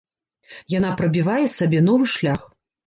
Яна прабівае сабе новы шлях.